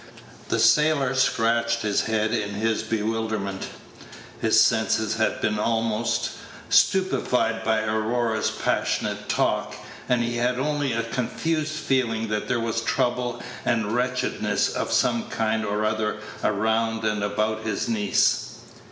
The sailor scratched his head in his bewilderment. His senses had been almost stupefied by Aurora's passionate talk, and he had only a confused feeling that there was trouble and wretchedness of some kind or other around and about his niece.